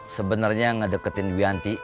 sebenernya ngedeketin wianty